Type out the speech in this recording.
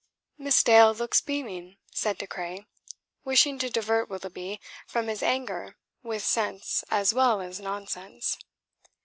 Miss Dale looks beaming," said De Craye, wishing to divert Willoughby from his anger with sense as well as nonsense.